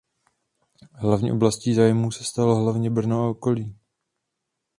Hlavní oblastí zájmu se stalo hlavně Brno a okolí.